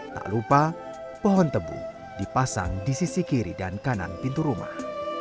tak lupa pohon tebu dipasang di sisi kiri dan kanan pintu rumah